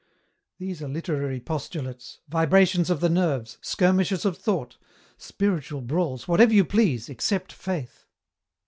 These are literary postulates, vibrations of the nerves, skirmishes of thought, spiritual brawls, whatever you please, except Faith."